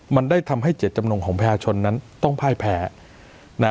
มันได้ทำให้เจตจำนงของประชาชนนั้นต้องพ่ายแพ้นะ